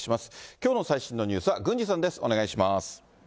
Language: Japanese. きょうの最新のニュースは郡司さんです。